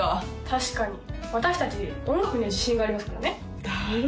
確かに私達音楽には自信がありますからねだろ？